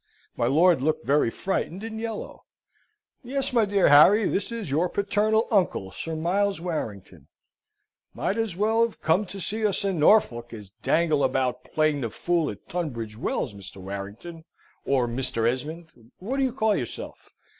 My lord looked very frightened and yellow. "Yes, my dear Harry. This is your paternal uncle, Sir Miles Warrington." "Might as well have come to see us in Norfolk, as dangle about playing the fool at Tunbridge Wells, Mr. Warrington, or Mr. Esmond, which do you call yourself?"